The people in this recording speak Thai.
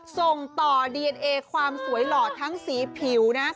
ส่งต่อดีเอนเอความสวยหล่อทั้งสีผิวนะ